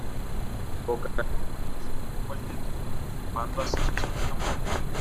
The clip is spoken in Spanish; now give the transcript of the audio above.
Boca Juniors obtuvo el título, sumando así su sexto campeonato internacional.